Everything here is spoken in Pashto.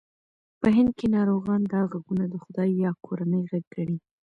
په هند کې ناروغان دا غږونه د خدای یا کورنۍ غږ ګڼي.